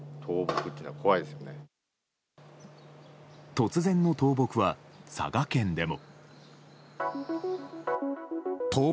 突然の倒木は佐賀県でも。